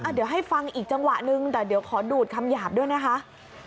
เดี๋ยวให้ฟังอีกจังหวะนึงแต่เดี๋ยวขอดูดคำหยาบด้วยนะคะ